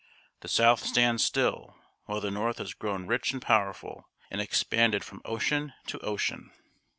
_The South stands still, while the North has grown rich and powerful, and expanded from ocean to ocean.